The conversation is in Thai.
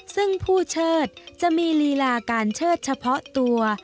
ซึ่งผู้เชิดจะมีลีลาการเชิดเฉพาะตัว